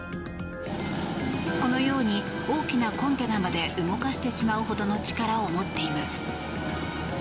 このように、大きなコンテナまで動かしてしまうほどの力を持っています。